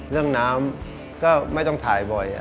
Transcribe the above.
เรื่องน้ำก็ไม่ต้องถ่ายบ่อย